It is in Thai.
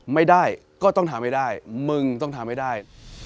ไม่ได้ก็ต้องทำให้ได้มึงต้องทำให้ได้